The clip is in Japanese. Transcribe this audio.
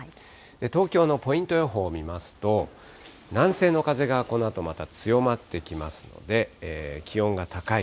東京のポイント予報を見ますと、南西の風がこのあとまた強まってきますので、気温が高い。